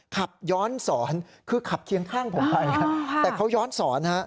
ขับย้อนสอนคือขับเคียงข้างผมไปแต่เขาย้อนสอนฮะ